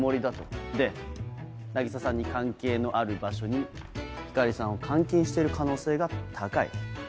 で凪沙さんに関係のある場所に光莉さんを監禁している可能性が高い。